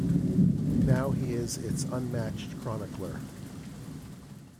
Now he is its unmatched chronicler.